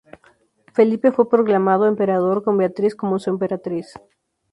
Felipe fue proclamado emperador con Beatriz como su emperatriz.